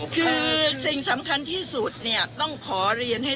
คือสิ่งสำคัญนะครับ